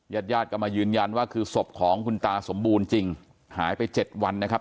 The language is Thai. ญาติญาติก็มายืนยันว่าคือศพของคุณตาสมบูรณ์จริงหายไปเจ็ดวันนะครับ